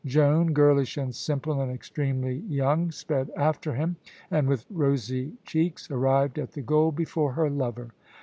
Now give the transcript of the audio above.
Joan, girlish and simple and extremely young, sped after him, and with rosy cheeks arrived at the goal before her lover.